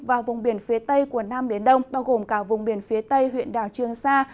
và vùng biển phía tây của nam biển đông bao gồm cả vùng biển phía tây huyện đảo trương sa